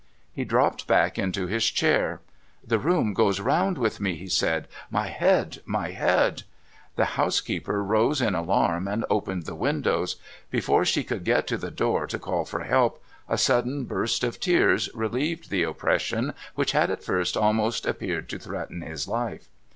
He dropped back into his chair. ' The room goes round with me,' he said. ' My head ! my head !' The housekeeper rose in alarm, and opened the windows. Before she could get to the door to call for help, a sudden burst of tears relieved the oppression which had at first almost appeared to threaten his life.